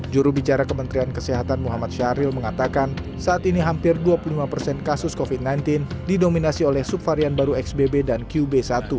juru bicara kementerian kesehatan muhammad syahril mengatakan saat ini hampir dua puluh lima persen kasus covid sembilan belas didominasi oleh subvarian baru xbb dan qb satu